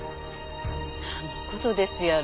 なんの事ですやろ。